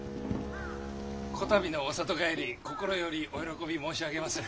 「こたびのお里帰り心よりお喜び申し上げまする」。